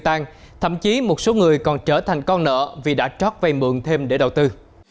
tăng thậm chí một số người còn trở thành con nợ vì đã trót vay mượn thêm để đầu tư